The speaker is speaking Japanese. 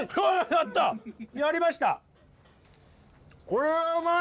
やりました。